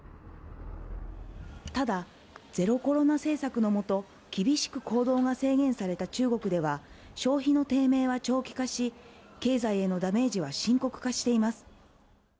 ただ、ゼロコロナ政策の下、厳しく行動が制限された中国では、消費の低迷は長期化し、経済へのダメージは深刻化しています。